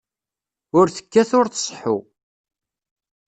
Ur tekkat ur tseḥḥu.